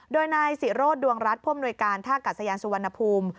โดยนายศิโรธดวงรัฐผู้อำนวยการท่ากัดสยานสุวรรณภูมิ